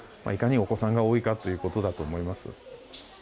いかに、お子さんが多いかということだと思います。